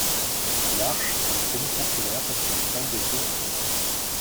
L’arche est semi-circulaire parce que le sol décline au sud.